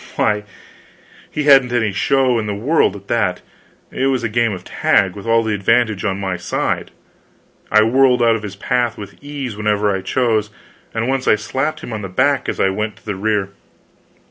Why, he hadn't any show in the world at that; it was a game of tag, with all the advantage on my side; I whirled out of his path with ease whenever I chose, and once I slapped him on the back as I went to the rear.